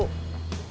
tidak ada yang bisa